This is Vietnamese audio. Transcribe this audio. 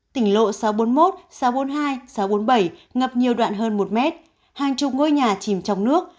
tỉnh lộ sáu trăm bốn mươi một sáu trăm bốn mươi hai sáu trăm bốn mươi bảy ngập nhiều đoạn hơn một mét hàng chục ngôi nhà chìm trong nước